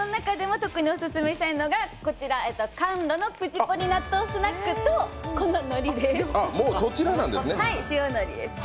特にオススメしたいのがカンロのプチポリ納豆スナックとこの、のりです。